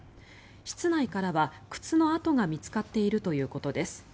室内からは靴の跡が見つかっているということです。